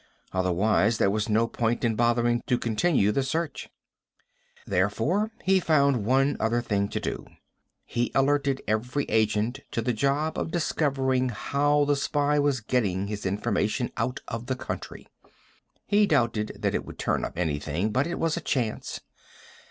Otherwise, there was no point in bothering to continue the search. Therefore, he found one other thing to do. He alerted every agent to the job of discovering how the spy was getting his information out of the country. He doubted that it would turn up anything, but it was a chance.